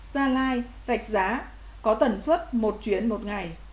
gia lai rạch giá có tần suất một chuyến một ngày